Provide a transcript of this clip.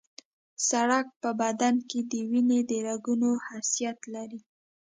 سړک په بدن کې د وینې د رګونو حیثیت لري